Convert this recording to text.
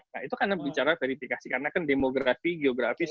nah itu karena bicara verifikasi karena kan demografi geografis